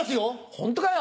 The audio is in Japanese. ホントかよ？